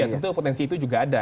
ya tentu potensi itu juga ada